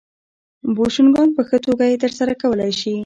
بوشونګان په ښه توګه یې ترسره کولای شي